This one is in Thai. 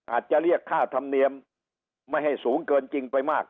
อาจจะเรียกค่าธรรมเนียมไม่ให้สูงเกินจริงไปมาก